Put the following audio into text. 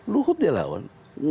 luhut dia lawan